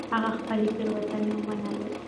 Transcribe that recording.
هغه خپلې تېروتنې ومنلې.